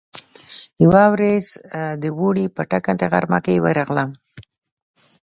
يوه ورځ د اوړي په ټکنده غرمه کې ورغلم.